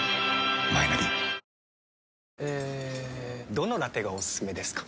どのラテがおすすめですか？